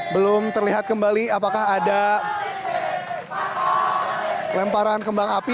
belum terlihat kembali apakah ada lemparan kembang api